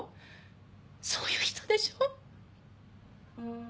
そういう人でしょ？